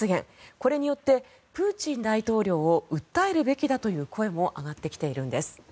これによってプーチン大統領を訴えるべきだという声も上がってきているんです。